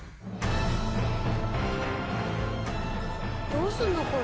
どうすんのこれ？